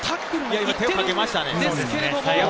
手をかけましたね。